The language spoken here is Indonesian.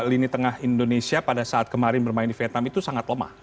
lini tengah indonesia pada saat kemarin bermain di vietnam itu sangat lemah